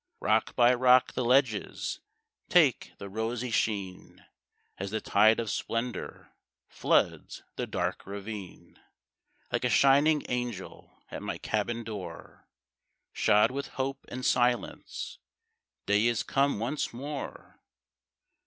Rock by rock the ledges Take the rosy sheen, As the tide of splendor Floods the dark ravine. Like a shining angel At my cabin door, Shod with hope and silence, Day is come once more.